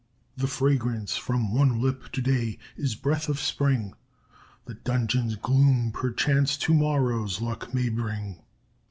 The fragrance from one lip to day is breath of spring: The dungeon's gloom perchance to morrow's luck may bring.